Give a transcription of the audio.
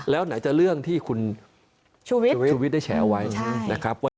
แล้วไหนจะเรื่องที่คุณชุวิตได้แชร์ไว้นะครับ